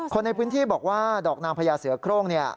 คนในพื้นที่บอกว่าดอกนางพญาเสือโครงเนี่ย